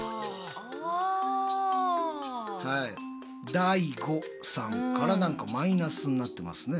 ＤＡＩＧＯさんから何かマイナスになってますね。